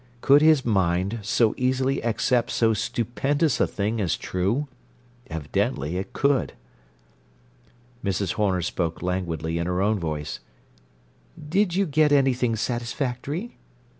Could his mind so easily accept so stupendous a thing as true? Evidently it could! Mrs. Horner spoke languidly in her own voice: "Did you get anything satisfactory?"